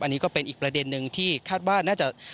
อันนี้ก็เป็นอีกประเด็นนึงที่คาดว่าน่าจะ